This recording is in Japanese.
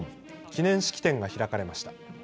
記念式典が開かれました。